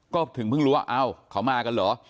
ก็ถึงเพิ่งรู้ว่าเอ้าเขามากันเหรอ